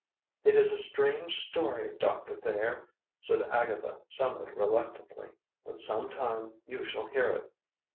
"It is a strange story, Doctor Thayer," said Agatha somewhat reluctantly; "but some time you shall hear it.